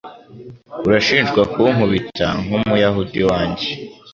Urashinjwa Kunkubita nk'umuyahudi iwanjye